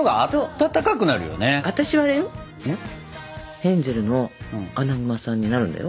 ヘンゼルのアナグマさんになるんだよ。